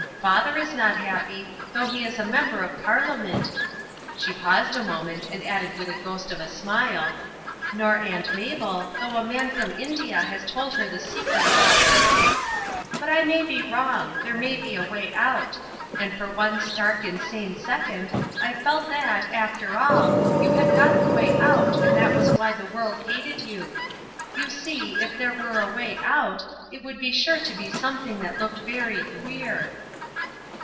Father is not happy, though he is a Member of Parliament " She paused a moment and added with a ghost of a smile: "Nor Aunt Mabel, though a man from India has told her the secret of all creeds. But I may be wrong; there may be a way out. And for one stark, insane second, I felt that, after all, you had got the way out and that was why the world hated you. You see, if there were a way out, it would be sure to be something that looked very queer."